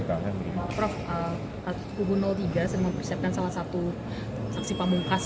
prof tiga saya mempersiapkan salah satu saksi pembuka